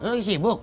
lo lagi sibuk